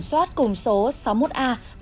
bộ cảnh mệnh